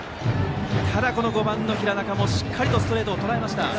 ただ５番の平中もしっかりストレートをとらえました。